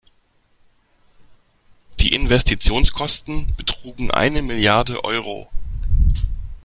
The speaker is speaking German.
Die Investitionskosten betrugen eine Milliarde Euro.